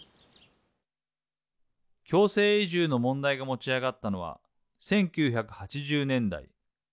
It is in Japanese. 強制移住の問題が持ち上がったのは１９８０年代。